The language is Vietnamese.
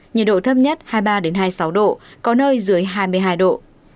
nhiệt độ thấp nhất hai mươi ba hai mươi sáu độ có nơi dưới hai mươi hai độ